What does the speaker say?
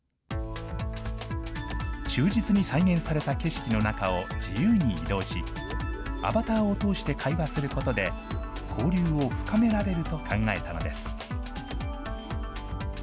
忠実に再現された景色の中を自由に移動し、アバターを通して会話することで、交流を深められると考えたのです。